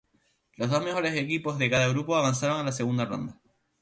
Los dos mejores equipos de cada grupo avanzaron a la segunda ronda.